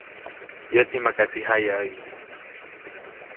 Yäti makaʼtsi jayaʼäyi.